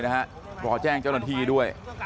รอแจ้งเจ้าหน้าที่ด้วย